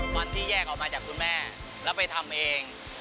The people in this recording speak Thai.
วันที่แยกออกมาจากคุณแม่แล้วไปทำเอง